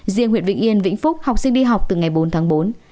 riêng huyện vĩnh yên vĩnh phúc học sinh đi học từ ngày bốn tháng bốn